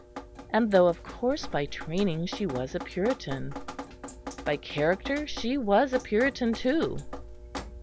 And though, of course, by training she was Puritan, by character she was Puritan too.